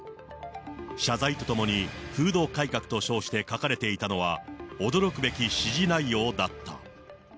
謝罪とともに、風土改革と称して書かれていたのは、驚くべき指示内容だった。